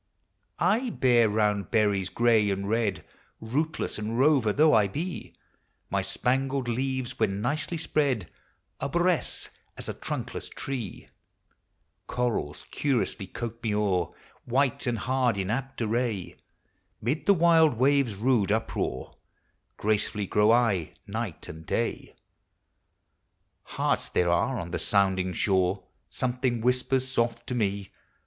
I bear round berries, gray and red, Rootless and rover though I be; My spangled leaves, when nicely spread, Aiboresce as a trunkless tree; Corals curious coat me o'er, White and hard in apt array; Mid the wild waves' rude uproar Gracefully grow I, night and day. Hearts there are on the sounding shore, Something whispers soft to me.